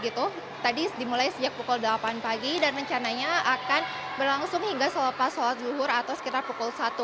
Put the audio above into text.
tadi dimulai sejak pukul delapan pagi dan rencananya akan berlangsung hingga selepas sholat duhur atau sekitar pukul satu